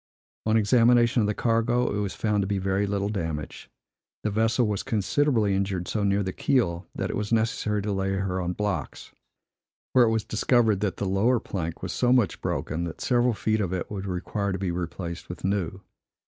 On examination of the cargo, it was found to be very little damaged. The vessel was considerably injured so near the keel, that it was necessary to lay her on blocks, where it was discovered that the lower plank was so much broken that several feet of it would require to be replaced with new.